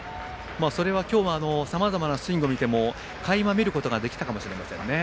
今日のさまざまなスイングを見てもかいま見ることができたかもしれません。